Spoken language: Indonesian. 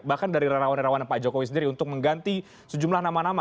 bahkan dari relawan relawan pak jokowi sendiri untuk mengganti sejumlah nama nama